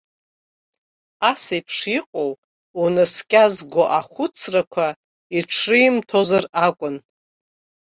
Ас еиԥш иҟоу, унаскьазго ахәыцрақәа иҽримҭозар акәын.